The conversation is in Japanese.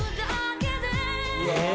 うわ！